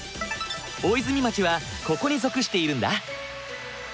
大泉町はここに属しているんだ。